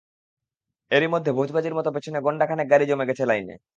এরই মধ্যেই ভোজবাজির মতো পেছনে গন্ডা খানেক গাড়ি জমে গেছে লাইনে।